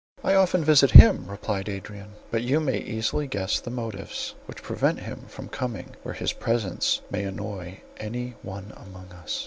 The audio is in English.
"I often visit him," replied Adrian; "but you may easily guess the motives, which prevent him from coming where his presence may annoy any one among us."